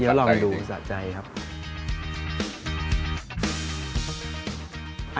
เกี๊ยวลองดูสะใจครับเกี๊ยวลองดูสะใจครับ